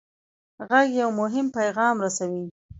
غږ یو مهم پیغام رسوي.